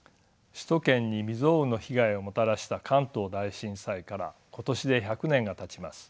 首都圏に未曽有の被害をもたらした関東大震災から今年で１００年がたちます。